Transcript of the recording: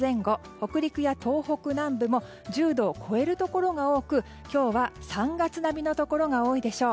北陸や東北南部も１０度を超えるところが多く今日は３月並みのところが多いでしょう。